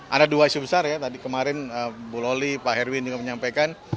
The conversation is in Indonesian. ada dua isu besar ya tadi kemarin bu loli pak herwin juga menyampaikan